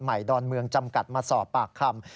ดอนเมืองจำกัดมาสอบปากคำ